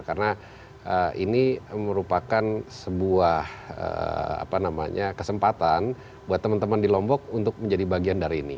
karena ini merupakan sebuah kesempatan buat teman teman di lombok untuk menjadi bagian dari ini